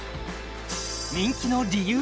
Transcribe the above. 人気の理由